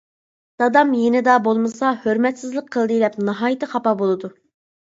دادام يېنىدا بولمىسا، ھۆرمەتسىزلىك قىلدى دەپ، ناھايىتى خاپا بولىدۇ.